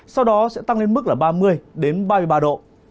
sau đó sẽ tăng lên mức là ba mươi ba mươi ba độ